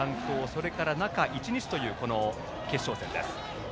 それから中１日という決勝戦です。